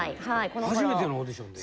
初めてのオーディションで？